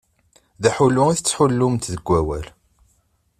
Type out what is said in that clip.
D aḥullu i tettḥullumt deg wawal.